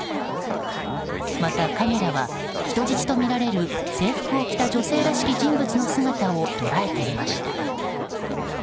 また、カメラは人質とみられる制服を着た女性らしき人物の姿を捉えていました。